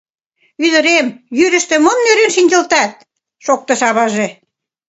— Ӱдырем, йӱрыштӧ мом нӧрен шинчылтат? — шоктыш аваже.